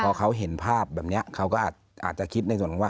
พอเขาเห็นภาพแบบนี้เขาก็อาจจะคิดในส่วนของว่า